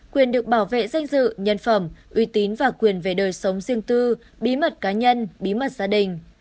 quyền được bảo vệ danh dự nhân phẩm uy tín và quyền về đời sống riêng tư bí mật cá nhân bí mật gia đình